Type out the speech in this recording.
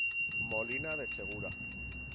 Molina de Segura